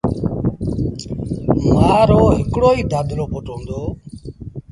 مآ رو هڪڙو ئيٚ دآدلو پُٽ هُݩدو